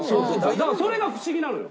だからそれがフシギなのよ。